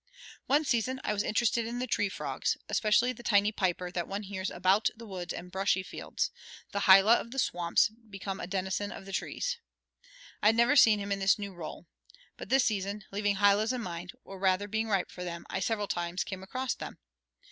One season I was interested in the tree frogs; especially the tiny piper that one hears about the woods and brushy fields the hyla of the swamps become a denizen of the trees; I had never seen him in this new role. But this season, having hylas in mind, or rather being ripe for them, I several times came across them.